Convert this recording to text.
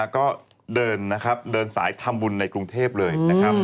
ก็เดินสายทำบุญในกรุงเทพฯเลย